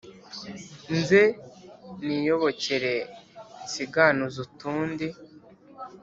Nze niyobokere nsiganuze utundi.